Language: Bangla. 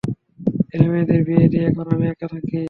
ছেলেমেয়ের বিয়ে দিয়ে, এখন আমি একা থাকি।